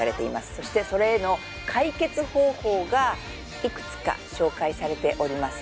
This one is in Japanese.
そしてそれへの解決方法がいくつか紹介されております